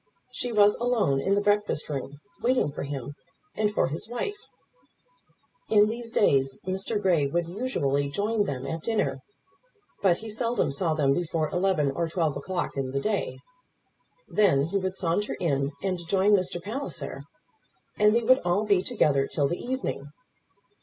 She was alone in the breakfast room, waiting for him and for his wife. In these days, Mr. Grey would usually join them at dinner; but he seldom saw them before eleven or twelve o'clock in the day. Then he would saunter in and join Mr. Palliser, and they would all be together till the evening.